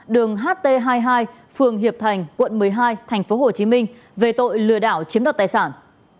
đường ht hai mươi hai phường hiệp thành quận một mươi hai tp hcm về tội lừa đảo chiếm đoạt tài sản